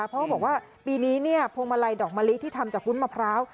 เพราะเขาบอกว่าปีนี้พวงมาลัยดอกมะลิที่ทำจากวุ้นมะพร้าว